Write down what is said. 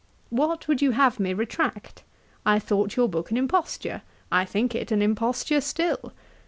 'What would you have me retract? I thought your book an imposture; I think it an imposture still.